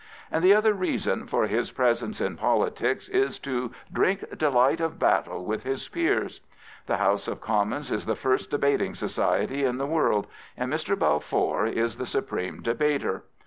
And the other reason for his presence in politics is to drink delight of battle with his peers."' The House of Commons is the first debating society in the world, and Mr. Balfour is the supreme debater.